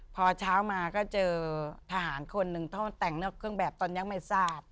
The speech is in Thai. พอเช้ามาก็เจอทหารคนหนึ่งต้องแต่งนอกเครื่องแบบตอนยังไม่ทราบ